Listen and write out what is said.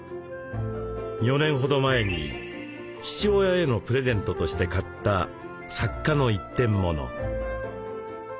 ４年ほど前に父親へのプレゼントとして買った作家の一点物。